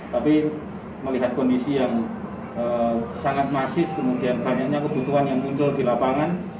tapi melihat kondisi yang sangat masif kemudian banyaknya kebutuhan yang muncul di lapangan